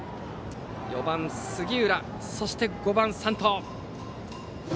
４番の杉浦、そして５番の山藤。